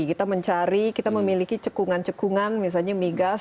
kita mencari kita memiliki cekungan cekungan misalnya migas